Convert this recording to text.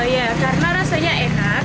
ya karena rasanya enak